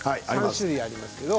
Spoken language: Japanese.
３種類あります。